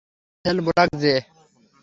Sell block J.